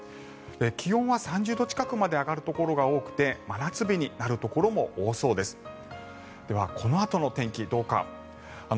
気温は３０度近くまで上がるところが多くて真夏日になるところも多そうです。